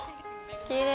きれい。